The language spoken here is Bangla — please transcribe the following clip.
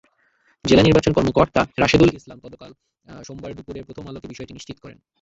জেলা নির্বাচন কর্মকর্তা রাশেদুল ইসলাম গতকাল সোমবার দুপুরে প্রথম আলোকে বিষয়টি নিশ্চিত করেন।